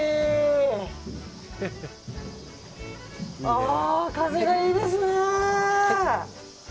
あー、風がいいですね。